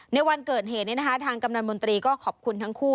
ในวันเกิดเหตุทางกำนันมนตรีก็ขอบคุณทั้งคู่